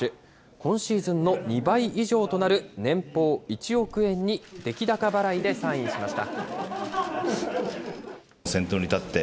今シーズンの２倍以上となる、年俸１億円に出来高払いでサインしました。